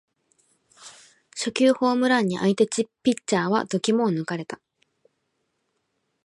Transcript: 初球ホームランに相手ピッチャーは度肝を抜かれた